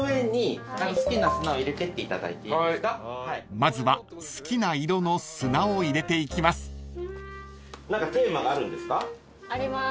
［まずは好きな色の砂を入れていきます］あります。